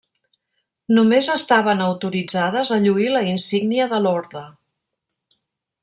Només estaven autoritzades a lluir la insígnia de l'Orde.